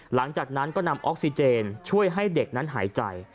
หลังจากนั้นก็นำออกซิเจนช่วยให้เด็กนั้นหายใจ